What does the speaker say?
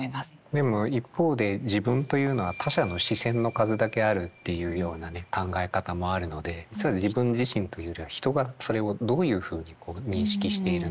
でも一方で自分というのは他者の視線の数だけあるっていうようなね考え方もあるので実は自分自身というよりは人がそれをどういうふうに認識しているのか。